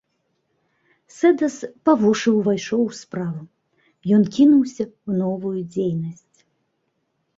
Сэдас па вушы ўвайшоў у справу, ён кінуўся ў новую дзейнасць.